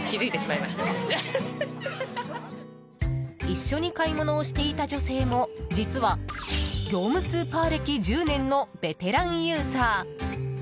一緒に買い物をしていた女性も実は業務スーパー歴１０年のベテランユーザー。